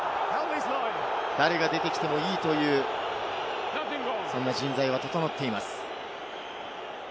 誰が出てきてもいいという、そんな人材は整っています。